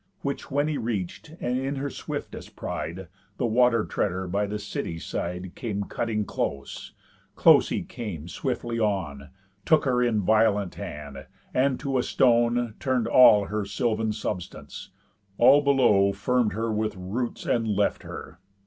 Which when he reach'd, and, in her swiftest pride, The water treader by the city's side Came cutting close, close he came swiftly on, Took her in violent hand, and to a stone Turn'd all her sylvan substance; all below Firm'd her with roots, and left her.